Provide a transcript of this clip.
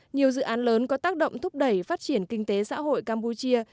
nhiều dự án lớn có tác động thúc đẩy phát triển kinh tế xã hội campuchia